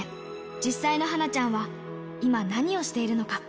実際のはなちゃんは今、何をしているのか。